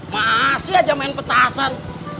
masih aja main petasan